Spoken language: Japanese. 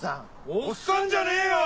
おっさんじゃねえよ！